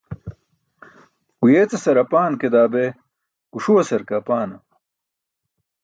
Guyeecasar apan ke, daa be guṣuwasar ke apaana?